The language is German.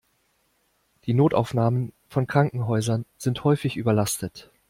Die Notaufnahmen von Krankenhäusern sind häufig überlastet.